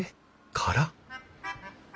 空。